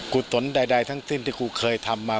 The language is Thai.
กุศลใดทั้งสิ้นที่ครูเคยทำมา